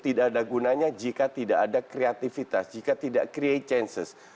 tidak ada gunanya jika tidak ada kreativitas jika tidak create chances